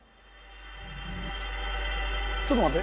ちょっと待って。